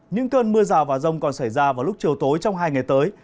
những cơn mưa rào và rông còn xảy ra vào lúc chiều tối trong hai ngày tới